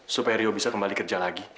supaya rio bisa kembali kerja lagi